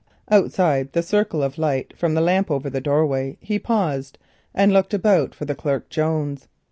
Outside the circle of light from a lamp over the doorway he paused, and looked about for the clerk Jones.